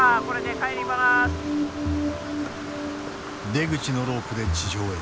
出口のロープで地上へ。